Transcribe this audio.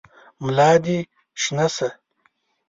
ملا دي شنه شه !